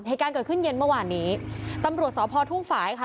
เหตุการณ์เกิดขึ้นเย็นเมื่อวานนี้ตำรวจสพทุ่งฝ่ายค่ะ